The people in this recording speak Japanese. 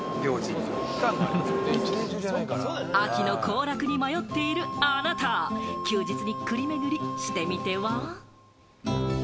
秋の行楽に迷っているあなた、休日に栗巡りしてみては？